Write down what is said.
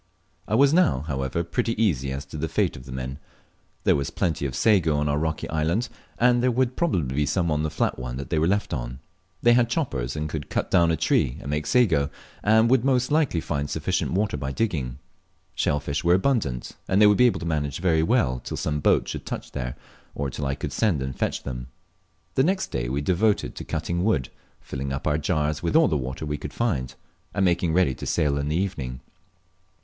I was now, however, pretty easy as to the fate of the men. There was plenty of sago on our rocky island, and there world probably be some on the fiat one they were left on. They had choppers, and could cut down a tree and make sago, and would most likely find sufficient water by digging. Shell fish were abundant, and they would be able to manage very well till some boat should touch there, or till I could send and fetch them. The next day we devoted to cutting wood, filling up our jars with all the water we could find, and making ready to sail in the evening.